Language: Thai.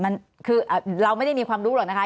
ว่าเราไม่ได้มีความรู้หรอกนะคะ